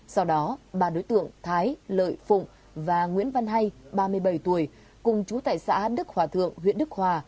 sau đó ba đối tượng thái lợi phụng và nguyễn văn hay ba mươi bảy tuổi cùng chú tại xã đức hòa thượng huyện đức hòa